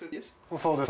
そうですよ。